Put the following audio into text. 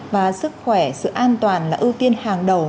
và sức khỏe sự an toàn là ưu tiên hàng đầu